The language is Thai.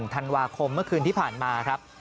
ธันวาคมเมื่อคืนที่ผ่านมาครับ